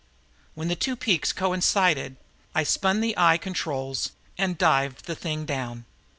When the two peaks coincided, I spun the eye controls and dived the thing down.